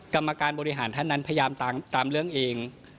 กรรมการบริหารท่านนั้นพยายามตามเรื่องเอง